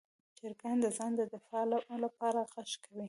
چرګان د ځان دفاع لپاره غږ کوي.